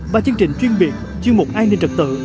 và chương trình chuyên biệt chuyên mục an ninh trật tự